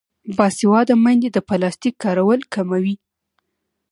باسواده میندې د پلاستیک کارول کموي.